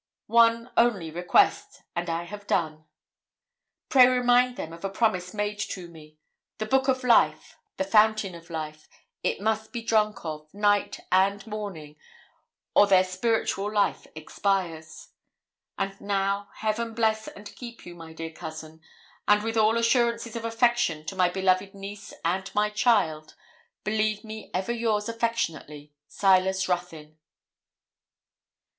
'One only request, and I have done. Pray remind them of a promise made to me. The Book of Life the fountain of life it must be drunk of, night and morning, or their spiritual life expires. 'And now, Heaven bless and keep you, my dear cousin; and with all assurances of affection to my beloved niece and my child, believe me ever yours affectionately. 'SILAS RUTHYN.'